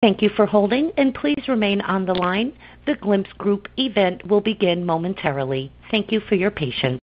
Thank you for holding, and please remain on the line. The Glimpse Group event will begin momentarily. Thank you for your patience.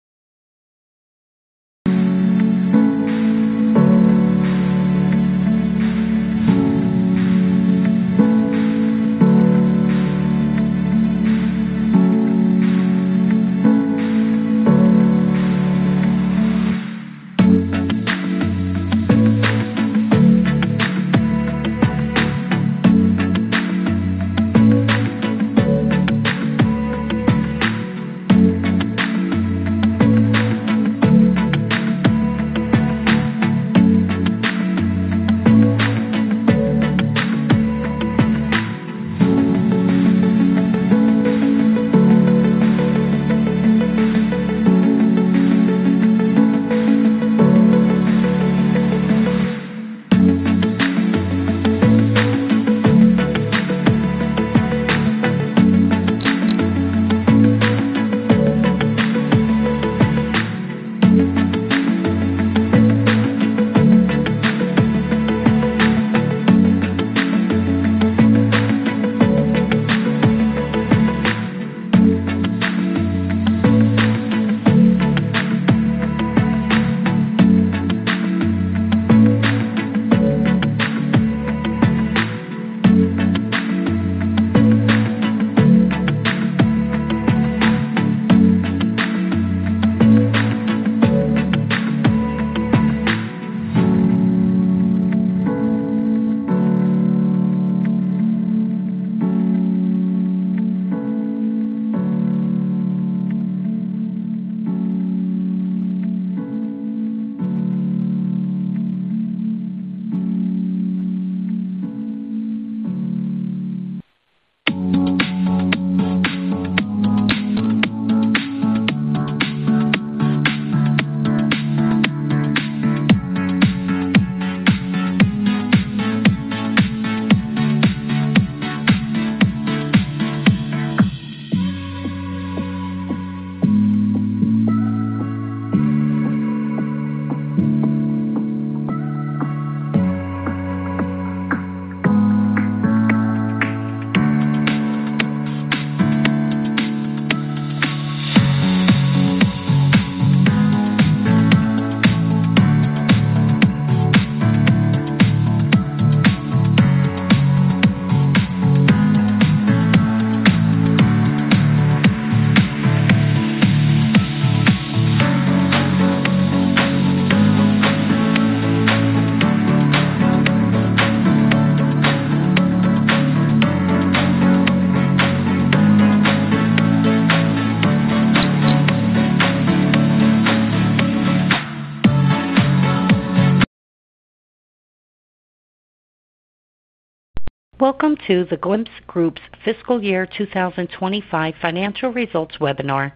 Welcome to The Glimpse Group's Fiscal Year 2025 Financial Results Webinar.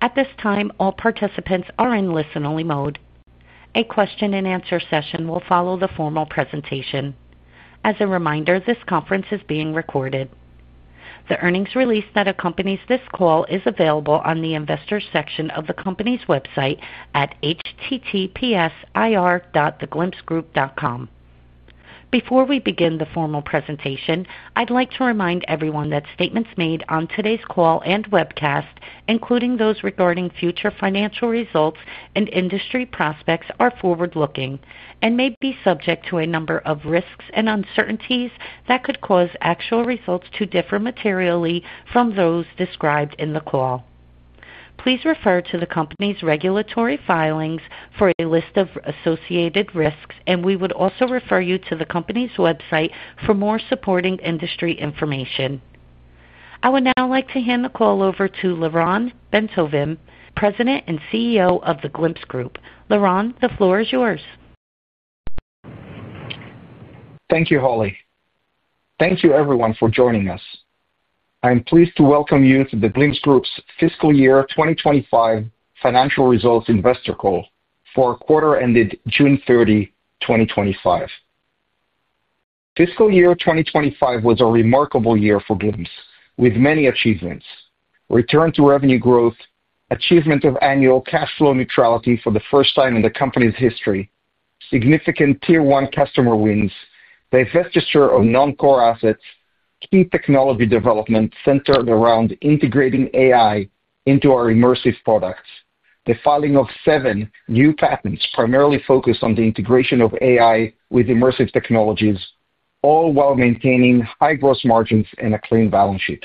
At this time, all participants are in listen-only mode. A question-and-answer session will follow the formal presentation. As a reminder, this conference is being recorded. The earnings release that accompanies this call is available on the investors' section of the company's website at https://ir.theglimpsegroup.com. Before we begin the formal presentation, I'd like to remind everyone that statements made on today's call and webcast, including those regarding future financial results and industry prospects, are forward-looking and may be subject to a number of risks and uncertainties that could cause actual results to differ materially from those described in the call. Please refer to the company's regulatory filings for a list of associated risks, and we would also refer you to the company's website for more supporting industry information. I would now like to hand the call over to Lyron Bentovim, President and CEO of The Glimpse Group. Lyron, the floor is yours. Thank you, Holly. Thank you, everyone, for joining us. I am pleased to welcome you to The Glimpse Group's Fiscal Year 2025 Financial Results Investor Call for our quarter ended June 30, 2025. Fiscal year 2025 was a remarkable year for Glimpse with many achievements: return to revenue growth, achievement of annual cash flow neutrality for the first time in the company's history, significant tier one customer wins, the divestiture of non-core assets, key technology development centered around integrating AI into our immersive products, the filing of seven new patents primarily focused on the integration of AI with immersive technologies, all while maintaining high gross margins and a clean balance sheet.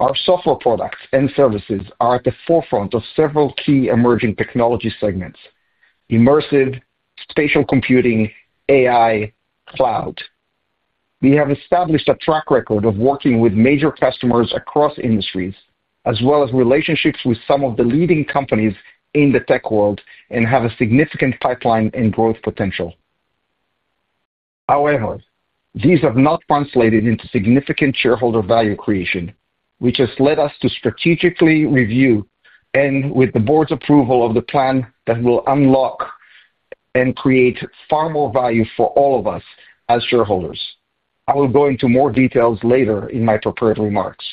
Our software products and services are at the forefront of several key emerging technology segments: immersive, spatial computing, AI, cloud. We have established a track record of working with major customers across industries, as well as relationships with some of the leading companies in the tech world, and have a significant pipeline and growth potential. However, these have not translated into significant shareholder value creation, which has led us to strategically review and, with the board's approval, the plan that will unlock and create far more value for all of us as shareholders. I will go into more details later in my prepared remarks.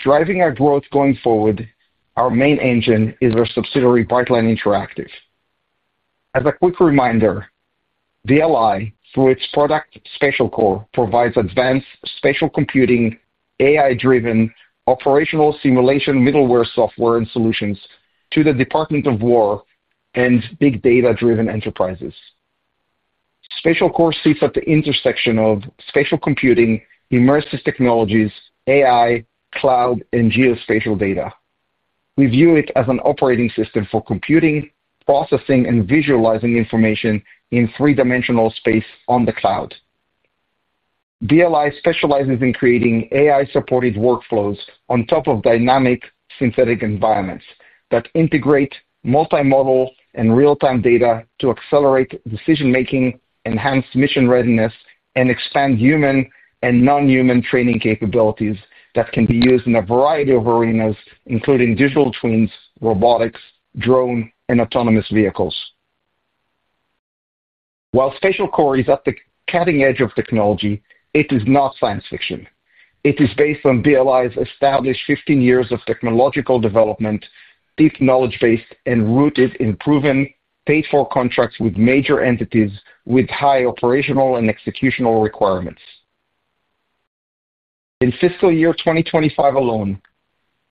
Driving our growth going forward, our main engine is our subsidiary Brightline Interactive. As a quick reminder, BLI, through its product SpatialCore, provides advanced spatial computing, AI-driven operational simulation middleware software and solutions to the Department of Defense and big data-driven enterprises. SpatialCore sits at the intersection of spatial computing, immersive technologies, AI, cloud, and geospatial data. We view it as an operating system for computing, processing, and visualizing information in three-dimensional space on the cloud. BLI specializes in creating AI-supported workflows on top of dynamic synthetic environments that integrate multimodal and real-time data to accelerate decision-making, enhance mission readiness, and expand human and non-human training capabilities that can be used in a variety of arenas, including digital twins, robotics, drone, and autonomous vehicles. While SpatialCore is at the cutting edge of technology, it is not science fiction. It is based on BLI's established 15 years of technological development, deep knowledge-based, and rooted in proven paid-for contracts with major entities with high operational and executional requirements. In fiscal year 2025 alone,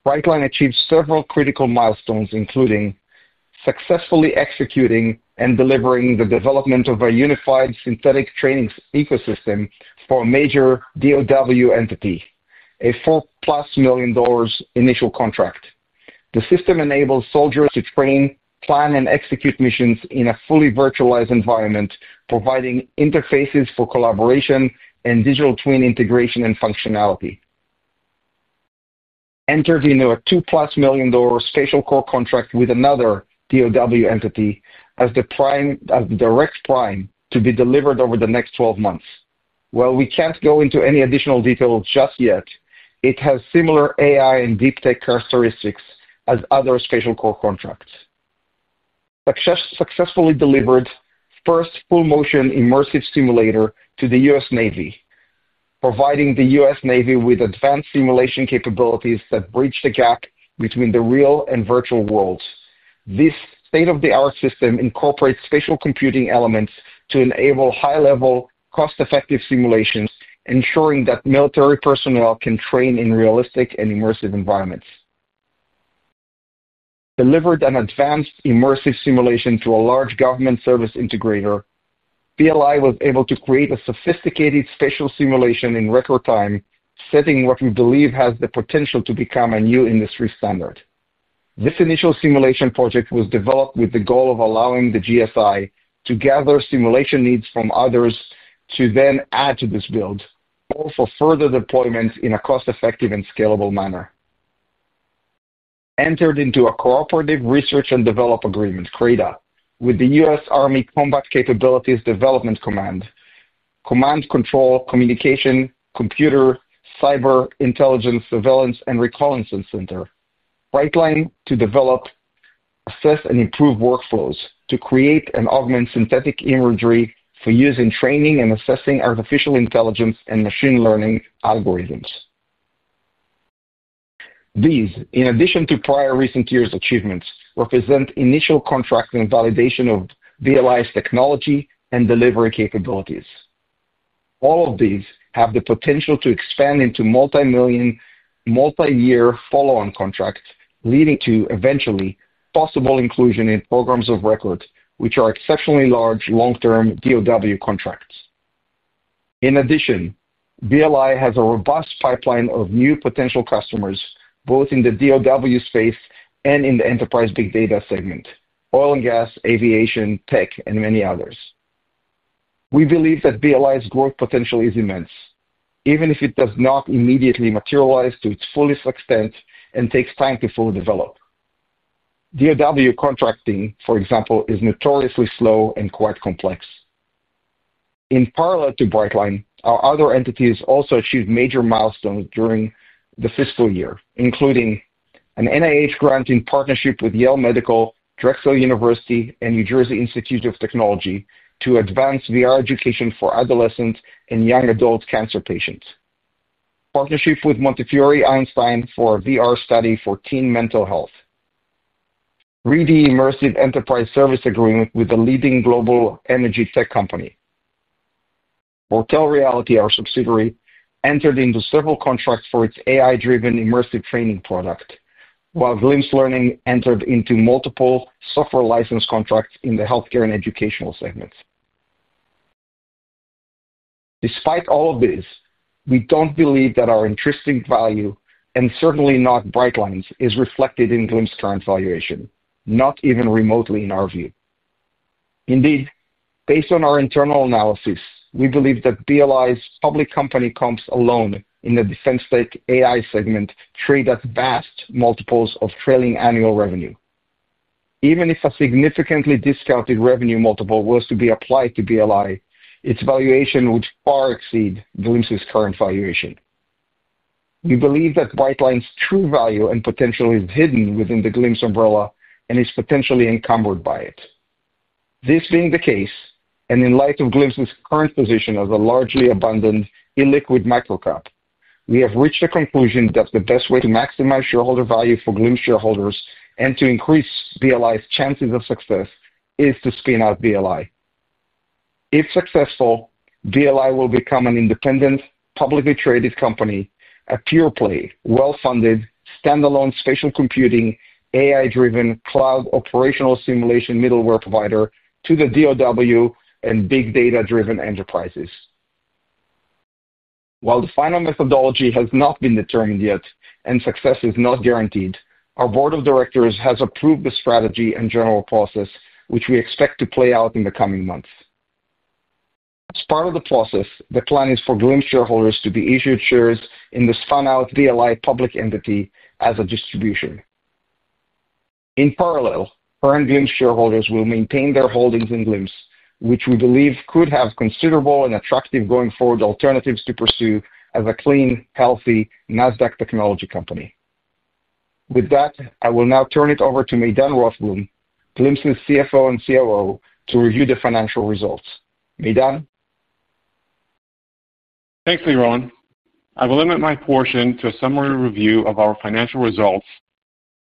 Brightline achieved several critical milestones, including successfully executing and delivering the development of a unified synthetic training ecosystem for a major Department of Defense entity, a $4 million+ initial contract. The system enables soldiers to train, plan, and execute missions in a fully virtualized environment, providing interfaces for collaboration and digital twin integration and functionality. Enter the $2 million SpatialCore contract with another Department of Defense entity as the direct prime to be delivered over the next 12 months. While we can't go into any additional details just yet, it has similar AI and deep tech characteristics as other SpatialCore contracts. Successfully delivered the first full-motion immersive simulator to the U.S. Navy, providing the U.S. Navy with advanced simulation capabilities that bridge the gap between the real and virtual worlds. This state-of-the-art system incorporates spatial computing elements to enable high-level, cost-effective simulations, ensuring that military personnel can train in realistic and immersive environments. Delivered an advanced immersive simulation to a large government service integrator, BLI was able to create a sophisticated spatial simulation in record time, setting what we believe has the potential to become a new industry standard. This initial simulation project was developed with the goal of allowing the GSI to gather simulation needs from others to then add to this build or for further deployments in a cost-effective and scalable manner. Entered into a cooperative research and development agreement, CRADA, with the U.S. Army Combat Capabilities Development Command C5ISR Center, Brightline to develop, assess, and improve workflows to create and augment synthetic imagery for use in training and assessing artificial intelligence and machine learning algorithms. These, in addition to prior recent years' achievements, represent initial contracting and validation of BLI's technology and delivery capabilities. All of these have the potential to expand into multi-million, multi-year follow-on contracts, leading to eventually possible inclusion in programs of record, which are exceptionally large long-term U.S. Department of Defense contracts. In addition, Brightline Interactive has a robust pipeline of new potential customers, both in the U.S. Department of Defense space and in the enterprise big data segment: oil and gas, aviation, tech, and many others. We believe that Brightline Interactive's growth potential is immense, even if it does not immediately materialize to its fullest extent and takes time to fully develop. U.S. Department of Defense contracting, for example, is notoriously slow and quite complex. In parallel to Brightline Interactive, our other entities also achieved major milestones during the fiscal year, including an NIH grant in partnership with Yale Medical, Drexel University, and New Jersey Institute of Technology to advance VR education for adolescent and young adult cancer patients. Partnership with Montefiore Einstein for a VR study for teen mental health. Reedy Immersive Enterprise Service Agreement with a leading global energy tech company. Mortal Reality, our subsidiary, entered into several contracts for its AI-driven immersive training product, while Glimpse Learning entered into multiple software license contracts in the healthcare and educational segments. Despite all of these, we don't believe that our interesting value, and certainly not Brightline Interactive's, is reflected in The Glimpse Group's current valuation, not even remotely in our view. Indeed, based on our internal analysis, we believe that Brightline Interactive's public company comps alone in the defense tech AI segment trade at vast multiples of trailing annual revenue. Even if a significantly discounted revenue multiple was to be applied to Brightline Interactive, its valuation would far exceed The Glimpse Group's current valuation. We believe that Brightline Interactive's true value and potential is hidden within The Glimpse Group umbrella and is potentially encumbered by it. This being the case, and in light of The Glimpse Group's current position as a largely abundant illiquid microcap, we have reached the conclusion that the best way to maximize shareholder value for The Glimpse Group shareholders and to increase Brightline Interactive's chances of success is to spin out Brightline Interactive. If successful, Brightline Interactive will become an independent, publicly traded company, a pure-play, well-funded, standalone spatial computing, AI-driven cloud operational simulation middleware provider to the U.S. Department of Defense and big data-driven enterprises. While the final methodology has not been determined yet and success is not guaranteed, our Board of Directors has approved the strategy and general process, which we expect to play out in the coming months. As part of the process, the plan is for Glimpse shareholders to be issued shares in the spun-out BLI public entity as a distribution. In parallel, current Glimpse shareholders will maintain their holdings in Glimpse, which we believe could have considerable and attractive going-forward alternatives to pursue as a clean, healthy Nasdaq technology company. With that, I will now turn it over to Maydan Rothblum, Glimpse's CFO and COO, to review the financial results. Maydan? Thanks, Lyron. I will limit my portion to a summary review of our financial results.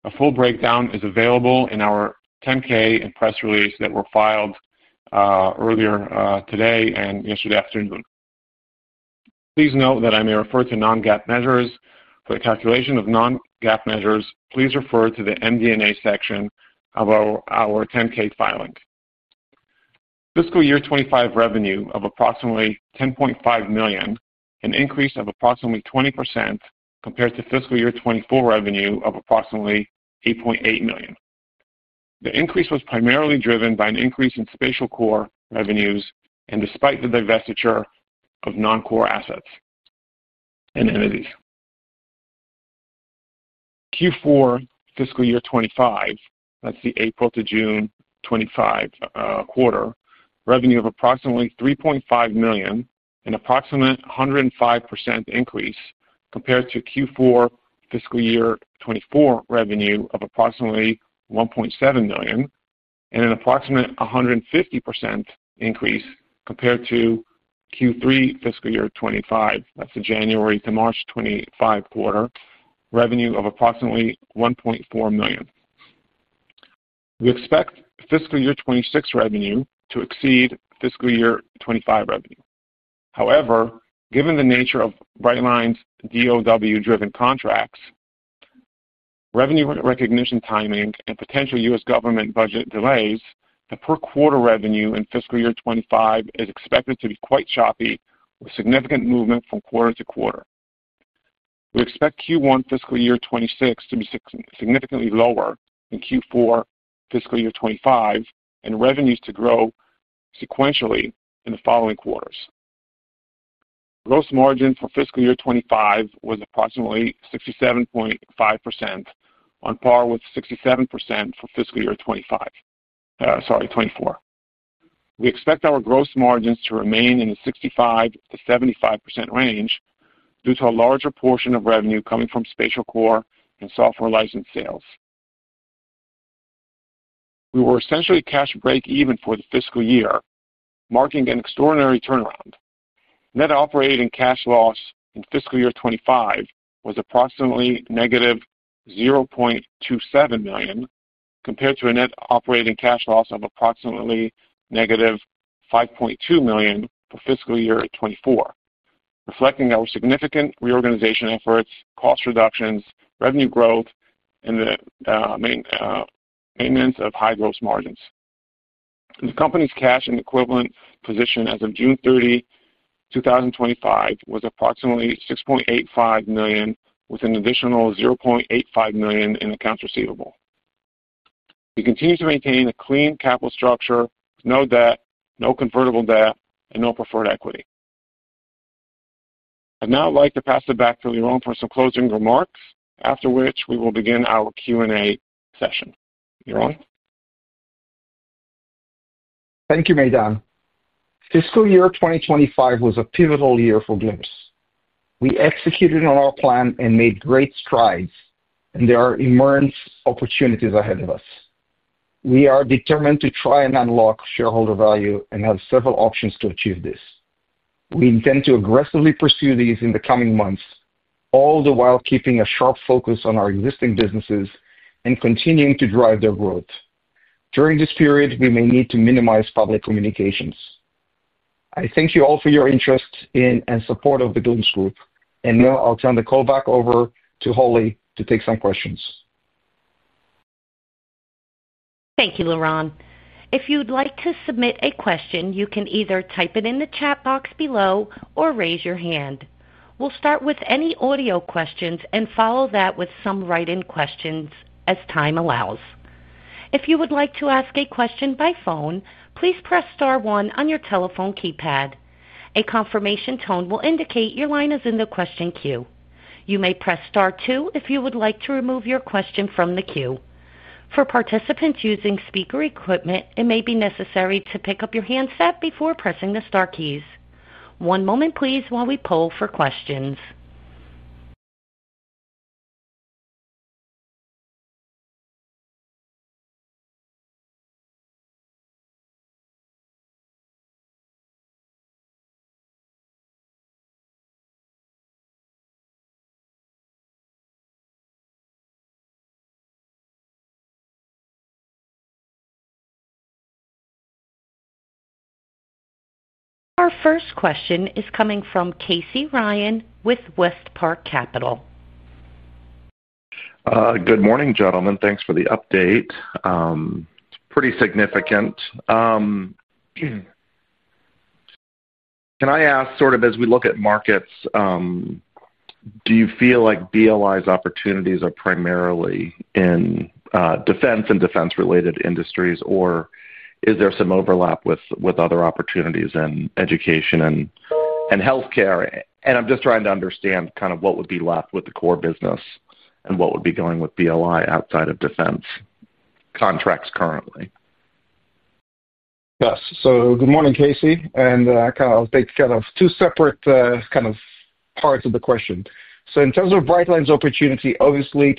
A full breakdown is available in our 10-K and press release that were filed earlier today and yesterday afternoon. Please note that I may refer to non-GAAP measures. For the calculation of non-GAAP measures, please refer to the MD&A section of our 10-K filing. Fiscal year 2025 revenue of approximately $10.5 million, an increase of approximately 20% compared to fiscal year 2024 revenue of approximately $8.8 million. The increase was primarily driven by an increase in SpatialCore revenues and despite the divestiture of non-core assets and entities. Q4 fiscal year 2025, that's the April to June 2025 quarter, revenue of approximately $3.5 million, an approximate 105% increase compared to Q4 fiscal year 2024 revenue of approximately $1.7 million, and an approximate 150% increase compared to Q3 fiscal year 2025, that's the January to March 2025 quarter, revenue of approximately $1.4 million. We expect fiscal year 2026 revenue to exceed fiscal year 2025 revenue. However, given the nature of Brightline Interactive's DOD-driven contracts, revenue recognition timing, and potential U.S. government budget delays, the per quarter revenue in fiscal year 2025 is expected to be quite choppy, with significant movement from quarter to quarter. We expect Q1 fiscal year 2026 to be significantly lower than Q4 fiscal year 2025 and revenues to grow sequentially in the following quarters. Gross margin for fiscal year 2025 was approximately 67.5%, on par with 67% for fiscal year 2024. We expect our gross margins to remain in the 65%-75% range due to a larger portion of revenue coming from SpatialCore and software license sales. We were essentially cash break-even for the fiscal year, marking an extraordinary turnaround. Net operating cash loss in fiscal year 2025 was approximately -$0.27 million compared to a net operating cash loss of approximately -$5.2 million for fiscal year 2024, reflecting our significant reorganization efforts, cost reductions, revenue growth, and the maintenance of high gross margins. The company's cash and equivalent position as of June 30, 2025, was approximately $6.85 million, with an additional $0.85 million in accounts receivable. We continue to maintain a clean capital structure, no debt, no convertible debt, and no preferred equity. I'd now like to pass it back to Lyron for some closing remarks, after which we will begin our Q&A session. Lyron? Thank you, Maydan. Fiscal year 2025 was a pivotal year for The Glimpse Group. We executed on our plan and made great strides, and there are immense opportunities ahead of us. We are determined to try and unlock shareholder value and have several options to achieve this. We intend to aggressively pursue these in the coming months, all the while keeping a sharp focus on our existing businesses and continuing to drive their growth. During this period, we may need to minimize public communications. I thank you all for your interest in and support of The Glimpse Group, and now I'll turn the call back over to Holly to take some questions. Thank you, Lyron. If you'd like to submit a question, you can either type it in the chat box below or raise your hand. We'll start with any audio questions and follow that with some write-in questions as time allows. If you would like to ask a question by phone, please press star one on your telephone keypad. A confirmation tone will indicate your line is in the question queue. You may press star two if you would like to remove your question from the queue. For participants using speaker equipment, it may be necessary to pick up your handset before pressing the star keys. One moment, please, while we poll for questions. Our first question is coming from Casey Ryan with WestPark Capital. Good morning, gentlemen. Thanks for the update. Pretty significant. Can I ask, as we look at markets, do you feel like BLI's opportunities are primarily in defense and defense-related industries, or is there some overlap with other opportunities in education and healthcare? I'm just trying to understand what would be left with the core business and what would be going with BLI outside of defense contracts currently. Yes. Good morning, Casey. I'll take kind of two separate parts of the question. In terms of Brightline Interactive's opportunity, obviously,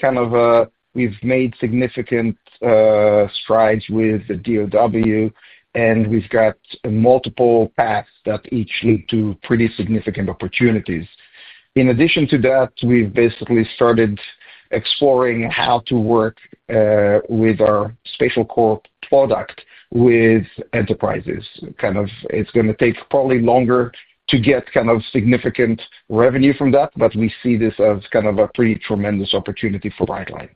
we've made significant strides with the Department of Defense, and we've got multiple paths that each lead to pretty significant opportunities. In addition to that, we've basically started exploring how to work with our SpatialCore product with enterprises. It's going to take probably longer to get significant revenue from that, but we see this as a pretty tremendous opportunity for Brightline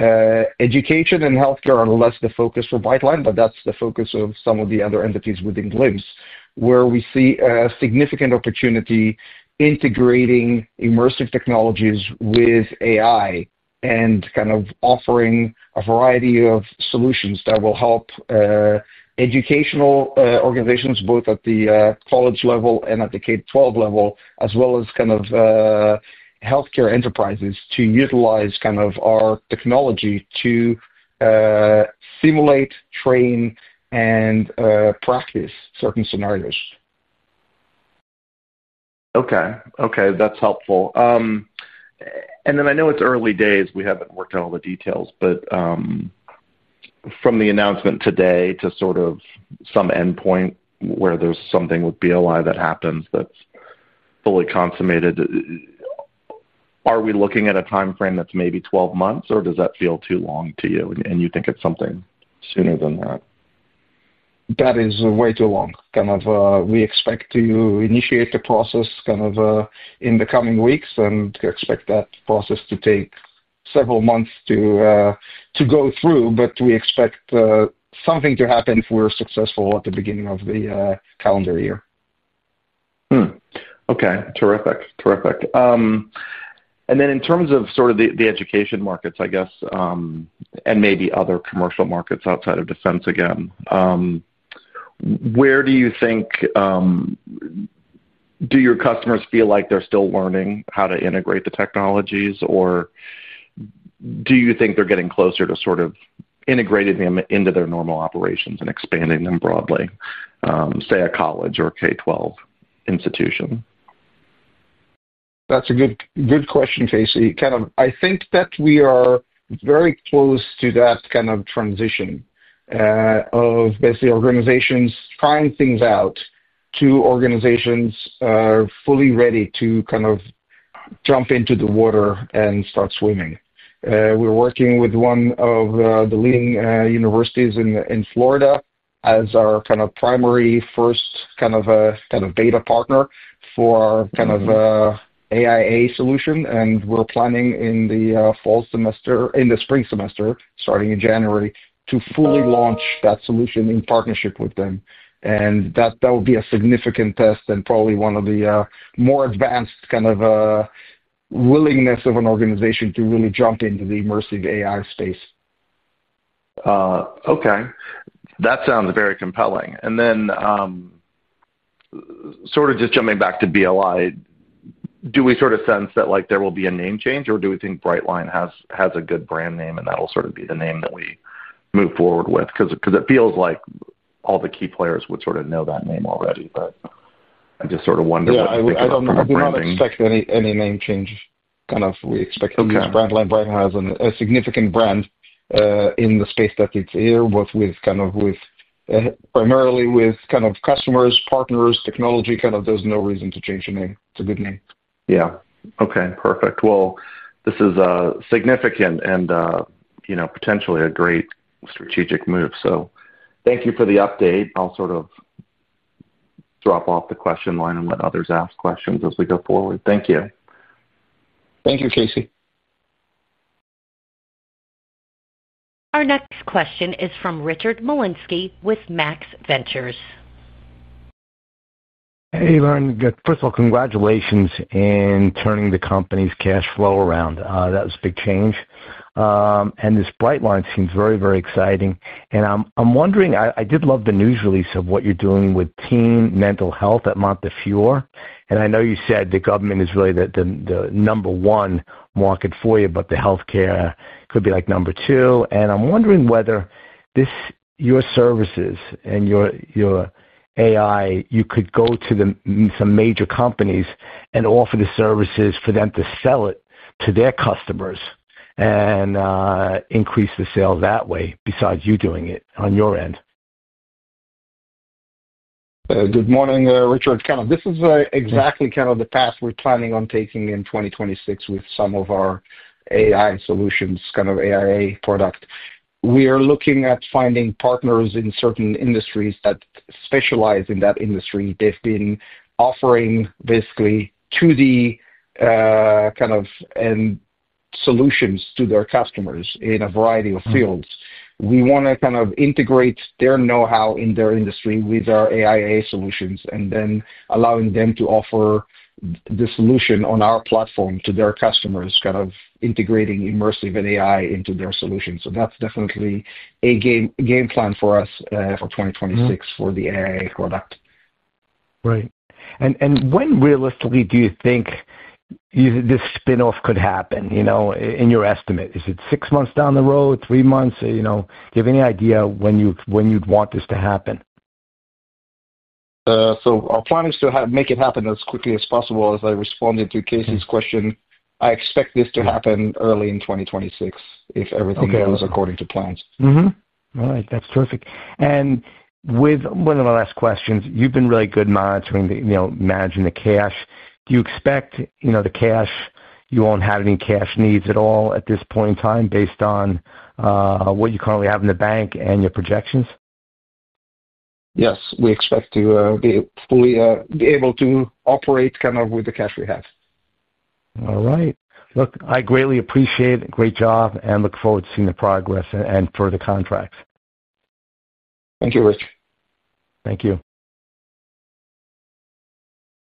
Interactive. Education and healthcare are less the focus for Brightline Interactive, but that's the focus of some of the other entities within The Glimpse Group, where we see a significant opportunity integrating immersive technologies with AI and offering a variety of solutions that will help educational organizations, both at the college level and at the K-12 level, as well as healthcare enterprises to utilize our technology to simulate, train, and practice certain scenarios. Okay. That's helpful. I know it's early days. We haven't worked out all the details, but from the announcement today to sort of some endpoint where there's something with BLI that happens that's fully consummated, are we looking at a timeframe that's maybe 12 months, or does that feel too long to you, and you think it's something sooner than that? That is way too long. We expect to initiate the process in the coming weeks and expect that process to take several months to go through, but we expect something to happen if we're successful at the beginning of the calendar year. Okay. Terrific. In terms of the education markets, I guess, and maybe other commercial markets outside of defense, where do you think your customers feel like they're still learning how to integrate the technologies, or do you think they're getting closer to integrating them into their normal operations and expanding them broadly, say, a college or K-12 institution? That's a good question, Casey. I think that we are very close to that kind of transition of basically organizations trying things out to organizations fully ready to jump into the water and start swimming. We're working with one of the leading universities in Florida as our primary first beta partner for our AI solution. We're planning in the fall semester, in the spring semester starting in January, to fully launch that solution in partnership with them. That will be a significant test and probably one of the more advanced willingness of an organization to really jump into the immersive AI space. Okay. That sounds very compelling. Just jumping back to BLI, do we sort of sense that there will be a name change, or do we think Brightline has a good brand name and that will be the name that we move forward with? It feels like all the key players would know that name already, but I just wonder that. We do not expect any name changes. We expect because Brightline Interactive has a significant brand in the space that it's here, both primarily with customers, partners, technology. There's no reason to change the name. It's a good name. Okay. Perfect. This is a significant and, you know, potentially a great strategic move. Thank you for the update. I'll sort of drop off the question line and let others ask questions as we go forward. Thank you. Thank you, Casey. Our next question is from Richard Molinsky with Max Ventures. Hey, Lyron. First of all, congratulations in turning the company's cash flow around. That was a big change. This Brightline seems very, very exciting. I'm wondering, I did love the news release of what you're doing with teen mental health at Montefiore. I know you said the government is really the number one market for you, but the healthcare could be like number two. I'm wondering whether your services and your AI, you could go to some major companies and offer the services for them to sell it to their customers and increase the sale that way besides you doing it on your end. Good morning, Richard. This is exactly the path we're planning on taking in 2026 with some of our AI solutions, kind of AIA product. We are looking at finding partners in certain industries that specialize in that industry. They've been offering basically 2D solutions to their customers in a variety of fields. We want to integrate their know-how in their industry with our AIA solutions and then allow them to offer the solution on our platform to their customers, integrating immersive AI into their solutions. That's definitely a game plan for us for 2026 for the AIA product. Right. When realistically do you think this spin-off could happen, in your estimate? Is it six months down the road, three months? Do you have any idea when you'd want this to happen? Our plan is to make it happen as quickly as possible. As I responded to Casey's question, I expect this to happen early in 2026 if everything goes according to plans. All right. That's terrific. With one of my last questions, you've been really good monitoring the, you know, managing the cash. Do you expect, you know, the cash, you won't have any cash needs at all at this point in time based on what you currently have in the bank and your projections? Yes, we expect to be fully able to operate with the cash we have. All right. I greatly appreciate it. Great job. I look forward to seeing the progress and further contracts. Thank you, Rich. Thank you.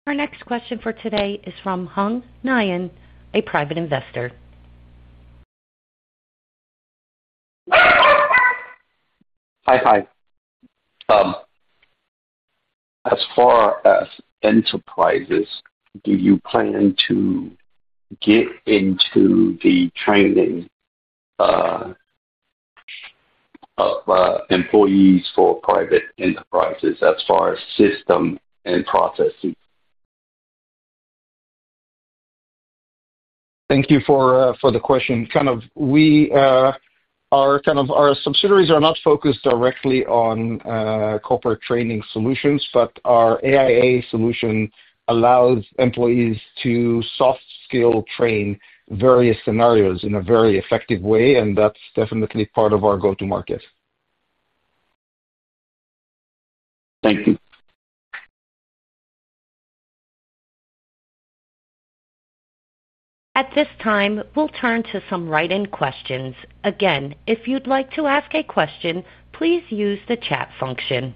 Our next question for today is from Hung Nguyen, a private investor. Hi. As far as enterprises, do you plan to get into the training of employees for private enterprises as far as system and processing? Thank you for the question. Our subsidiaries are not focused directly on corporate training solutions, but our AI solution allows employees to soft skill train various scenarios in a very effective way, and that's definitely part of our go-to market. Thank you. At this time, we'll turn to some write-in questions. If you'd like to ask a question, please use the chat function.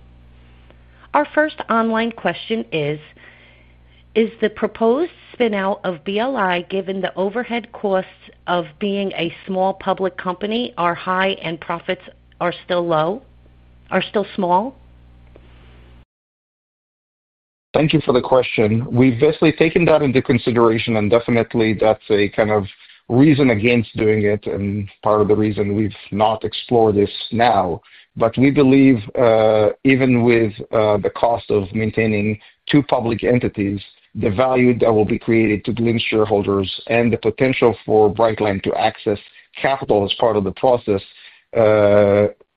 Our first online question is, is the proposed spin-out of Brightline Interactive given the overhead costs of being a small public company are high and profits are still small? Thank you for the question. We've basically taken that into consideration, and definitely, that's a kind of reason against doing it and part of the reason we've not explored this now. We believe even with the cost of maintaining two public entities, the value that will be created to Glimpse shareholders and the potential for Brightline Interactive to access capital as part of the process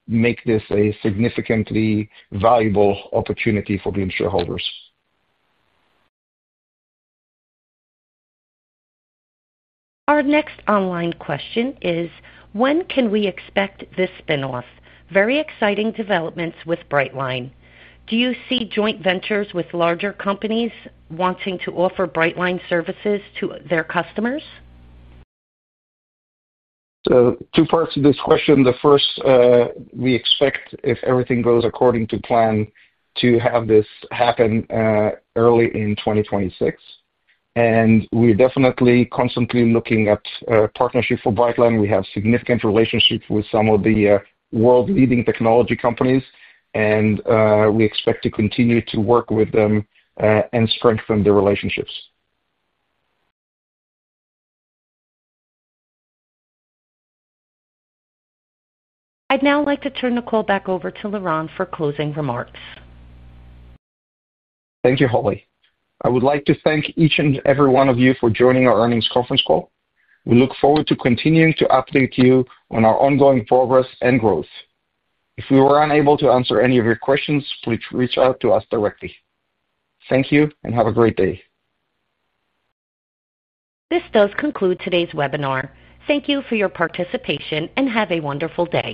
make this a significantly valuable opportunity for Glimpse shareholders. Our next online question is, when can we expect this spin-off? Very exciting developments with Brightline Interactive. Do you see joint ventures with larger companies wanting to offer Brightline Interactive services to their customers? To this question, the first, we expect, if everything goes according to plan, to have this happen early in 2026. We're definitely constantly looking at partnerships for Brightline Interactive. We have significant relationships with some of the world-leading technology companies, and we expect to continue to work with them and strengthen the relationships. I'd now like to turn the call back over to Lyron for closing remarks. Thank you, Holly. I would like to thank each and every one of you for joining our earnings conference call. We look forward to continuing to update you on our ongoing progress and growth. If we were unable to answer any of your questions, please reach out to us directly. Thank you and have a great day. This does conclude today's webinar. Thank you for your participation and have a wonderful day.